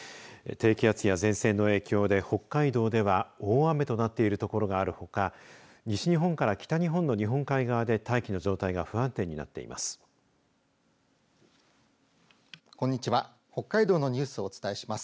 低気圧や前線の影響で北海道では大雨となっている所があるほか西日本から北日本の日本海側で大気の状態が不安定になっています。